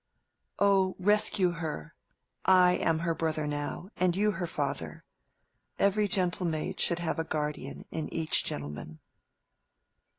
"Oh, rescue her! I am her brother now, And you her father. Every gentle maid Should have a guardian in each gentleman."